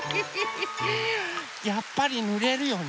やっぱりぬれるよね。